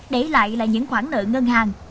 để lại lại những khoản nợ ngân hàng